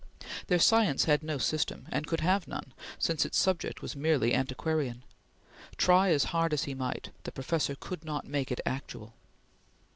Their science had no system, and could have none, since its subject was merely antiquarian. Try as hard as he might, the professor could not make it actual.